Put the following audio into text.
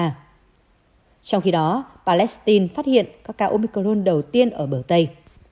trong khi đó palestine phát hiện các ca omicron đầu tiên ở bờ tây